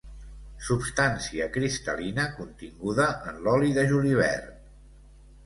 Substància cristal·lina continguda en l'oli de julivert.